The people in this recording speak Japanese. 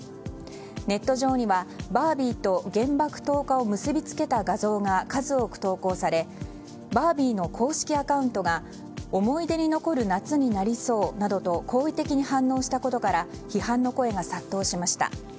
ネット上にはバービーと原爆投下を結び付けた画像が数多く投稿され「バービー」の公式アカウントが思い出の残る夏になりそうなどと好意的に反応したことなどから批判の声が殺到しました。